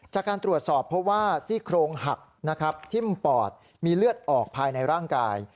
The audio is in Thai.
จากการตรวจสอบเพราะว่าซี่โครงหักนะครับทิ้มปอดมีเลือดออกภายในร่างกาย